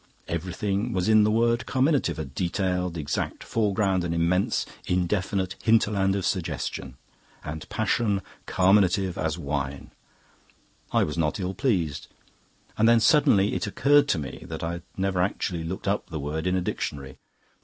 Everything was in the word carminative a detailed, exact foreground, an immense, indefinite hinterland of suggestion. 'And passion carminative as wine...' I was not ill pleased. And then suddenly it occurred to me that I had never actually looked up the word in a dictionary.